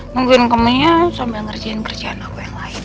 nungguin kemennya sampe ngerjain kerjaan aku yang lain